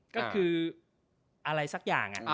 ก็คืออะไรสักอย่าง